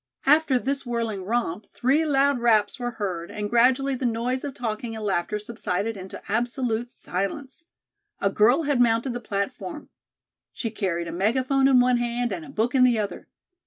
After this whirling romp, three loud raps were heard and gradually the noise of talking and laughter subsided into absolute silence. A girl had mounted the platform. She carried a megaphone in one hand and a book in the other.